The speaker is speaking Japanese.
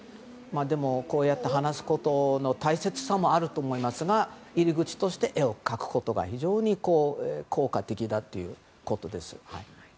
でもこうやって話すことの大切さもあると思いますが入り口として絵を描くことが非常に効果的だということです。